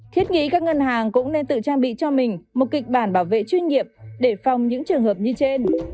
thiết nghĩ các ngân hàng cũng nên tự trang bị cho mình một kịch bản bảo vệ chuyên nghiệp để phòng những trường hợp như trên